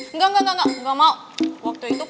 enggak enggak enggak mau waktu itu